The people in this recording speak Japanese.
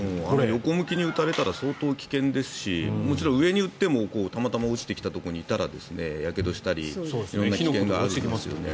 横向きに打たれたら相当危険ですしもちろん上に打っても、たまたま落ちてきたところにいたらやけどしたり危険がありますよね。